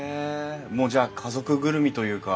もうじゃあ家族ぐるみというか。